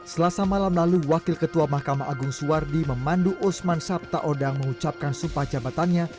selasa malam lalu wakil ketua mahkamah agung suwardi memandu osman sabtaodang mengucapkan sumpah jabatannya